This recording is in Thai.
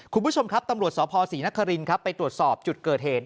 คุณผู้ชมครับตำรวจสพศรีนครินครับไปตรวจสอบจุดเกิดเหตุ